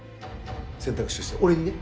選択肢として俺にね。